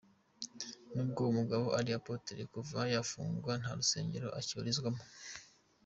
N’ubwo umugabo ari Apotre, kuva yafungwa nta rusengero akibarizwamo.